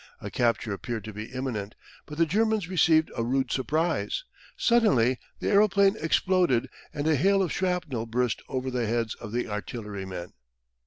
A capture appeared to be imminent, but the Germans received a rude surprise. Suddenly the aeroplane exploded and a hail of shrapnel burst over the heads of the artillerymen.